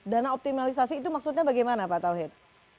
dana optimalisasi itu maksudnya bagaimana pak tauhid